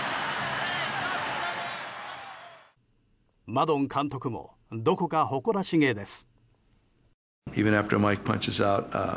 マドン監督もどこか誇らしげです。